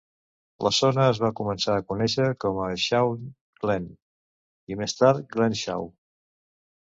La zona es va començar a conèixer com a "Shaw's Glen", i més tard Glenshaw.